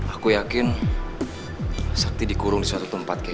aku yakin sakti dikurung di suatu tempat kayak